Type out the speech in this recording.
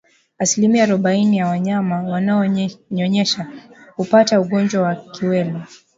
Asilimia arobaini ya wanyama wanaonyonyesha hupata ugonjwa wa kiwele